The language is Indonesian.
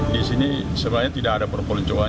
di sini sebenarnya tidak ada perpeluncuran